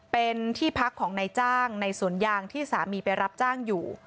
เป็นที่พักของนายจ้างในสวนยางที่สามีไปรับจ้างอยู่